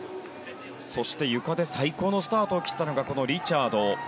そして、ゆかで最高のスタートを切ったのがリチャード。